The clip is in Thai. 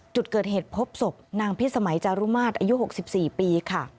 จุดเกิดเหตุพบศพนางพิสมัยจารุมาตรอายุ๖๔ปีค่ะ